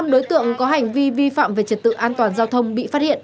ba trăm chín mươi năm đối tượng có hành vi vi phạm về trật tự an toàn giao thông bị phát hiện